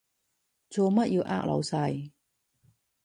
做乜要呃老細？